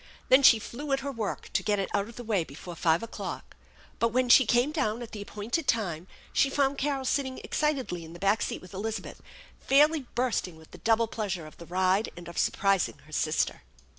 Then she flew at her work to get it out of the way before five o'clock. But, when she came down at the appointed time, she found Carol sitting excitedly in the back seat with Elizabeth, fairly bursting with the double pleasure of the ride and of surprising her sister.